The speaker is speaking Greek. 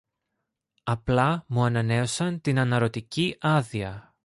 Απλά μου ανανέωσαν την αναρρωτική άδεια